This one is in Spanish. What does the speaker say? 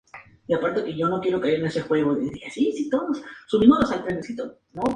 Las competencias son organizadas alrededor del mundo, asistidas por organizaciones nacionales de cada país.